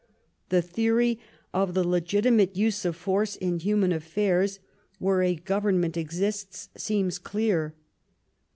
The theory of the legitimate use of force in human affairs, where a government exists, seems clear.